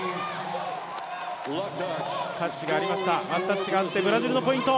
ワンタッチがあってブラジルのポイント。